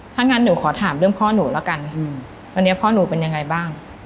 ถ้างั้นหนูขอถามเรื่องพ่อหนูแล้วกันวันนี้พ่อหนูเป็นยังไงบ้าง